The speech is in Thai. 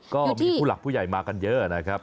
ก็มีผู้หลักผู้ใหญ่มากันเยอะนะครับ